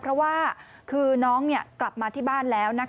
เพราะว่าคือน้องกลับมาที่บ้านแล้ว